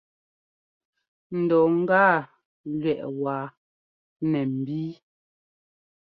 Ŋdɔ gâa lúɛʼ wáa nɛ nbíi.